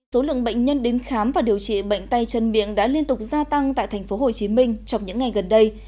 số lượng bệnh nhân đến khám và điều trị bệnh tay chân miệng đã liên tục gia tăng tại tp hcm trong những ngày gần đây